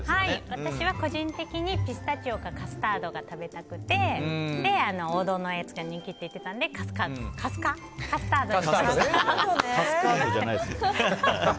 私は個人的にピスタチオかカスタードが食べたくて王道のやつが人気って言ってたのでカスカードじゃないですよ。